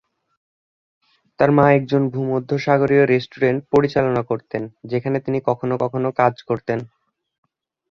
তার মা একজন ভূমধ্যসাগরীয় রেস্টুরেন্ট পরিচালনা করতেন যেখানে তিনি কখনো কখনো কাজ করতেন।